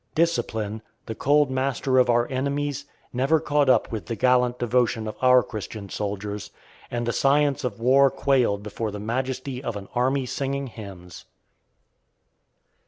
Discipline, the cold master of our enemies, never caught up with the gallant devotion of our Christian soldiers, and the science of war quailed before the majesty of an army singing hymns.